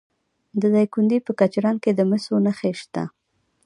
د دایکنډي په کجران کې د مسو نښې شته.